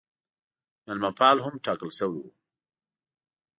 مېلمه پال هم ټاکل سوی وو.